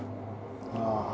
ああ。